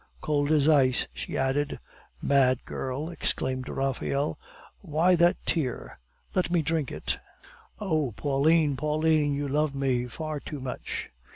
Cold as ice," she added. "Mad girl!" exclaimed Raphael. "Why that tear? Let me drink it." "O Pauline, Pauline, you love me far too much!"